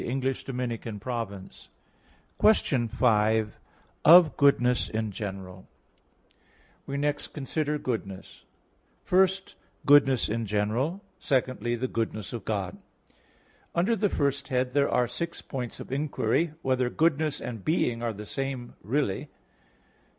_______________________ QUESTION 5 OF GOODNESS IN GENERAL (In Six Articles) We next consider goodness: First, goodness in general. Secondly, the goodness of God. Under the first head there are six points of inquiry: (1) Whether goodness and being are the same really?